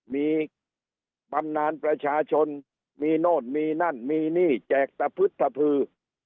มีบำนานประชาชนมีโน่นมีนั่นมีนี่แจกตะพึดตะพือ